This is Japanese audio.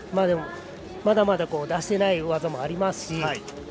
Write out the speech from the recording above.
でも、まだまだ出していない大技もありますし。